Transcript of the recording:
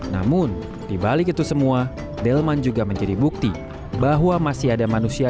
namun dibalik itu semua delman juga menjadi bukti bahwa masih ada manusia